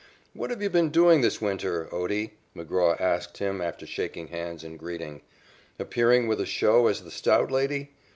"What have you been doing this winter, Otie?" McGraw asked him after shaking hands in greeting, "appearing with a show as the stout lady?